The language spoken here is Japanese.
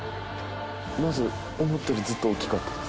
まず思ったよりずっと大きかったです。